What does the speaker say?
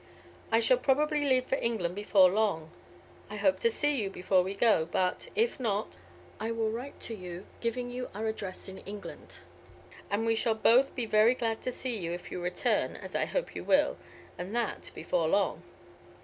I shall probably leave for England before long. I hope to see you before we go, but, if not, I will write to you, giving you our address in England, and we shall both be very glad to see you if you return, as I hope you will, and that before long.